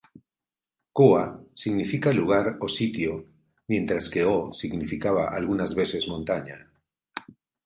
Coa significaba lugar o sitio mientras que O significaba algunas veces montaña.